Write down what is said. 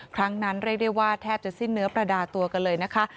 ครั้งนั้นเรียกได้ว่าแทบจะสิ้นเนื้อประดาตัวกันเลยนะคะ